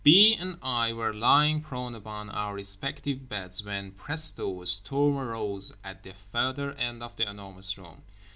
B. and I were lying prone upon our respective beds when—presto, a storm arose at the further end of The Enormous Room.